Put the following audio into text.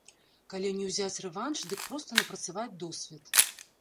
Калі не ўзяць рэванш, дык проста напрацаваць досвед.